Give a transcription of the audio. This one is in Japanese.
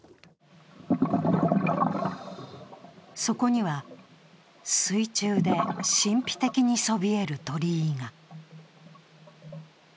そこには、水中で神秘的にそびえる鳥居が。